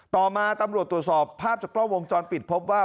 ต่อมาตำรวจตรวจสอบภาพจากกล้องวงจรปิดพบว่า